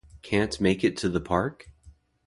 Can't make it to the park?